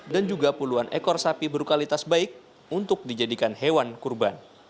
dan juga puluhan ekor sapi berkualitas baik untuk dijadikan hewan kurban